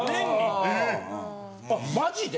あマジで！？